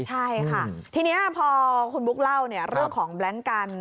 ใช่ค่ะทีนี้พอคุณบุ๊คเล่าเนี่ยเรื่องของแบล็งกัน